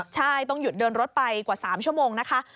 ใช่ต้องหยุดเดินรถไปกว่า๓ชั่วโมงนะคะ